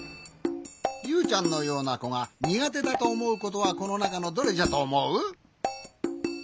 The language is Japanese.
ユウちゃんのようなこがにがてだとおもうことはこのなかのどれじゃとおもう？